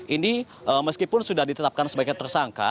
ini meskipun sudah ditetapkan sebagai tersangka